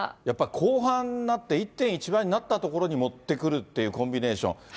やっぱり後半になって１．１倍になったところに持ってくるっていうコンビネーション。